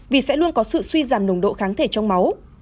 vì sẽ luôn có sự suy giảm nồng độ kháng thể trong máu